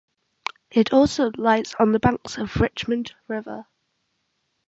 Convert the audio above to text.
It also lies on the banks of the Richmond River.